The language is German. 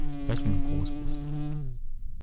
Vielleicht wenn du groß bist!